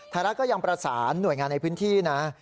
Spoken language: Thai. ไทยรัฐก็ยังประสานหน่วยงานในพื้นที่นะ